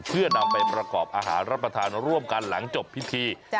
เพื่อนำไปประกอบอาหารรับประทานร่วมกันหลังจบพิธี